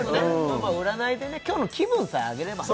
占いでね今日の気分さえ上げればね